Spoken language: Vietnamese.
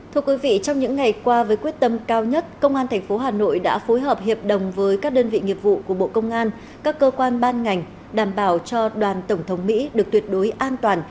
thưa quý vị trong những ngày qua với quyết tâm cao nhất công an tp hà nội đã phối hợp hiệp đồng với các đơn vị nghiệp vụ của bộ công an các cơ quan ban ngành đảm bảo cho đoàn tổng thống mỹ được tuyệt đối an toàn